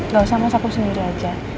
gak usah mas aku sendiri aja